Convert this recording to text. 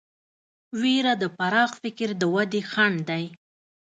وېره د پراخ فکر د ودې خنډ دی.